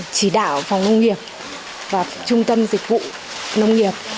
chỉ đạo phòng nông nghiệp và trung tâm dịch vụ nông nghiệp